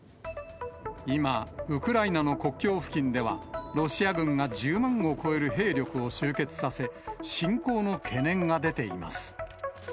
今、ウクライナの国境付近では、ロシア軍が１０万を超える兵力を集結させ、侵攻の懸念が出ています。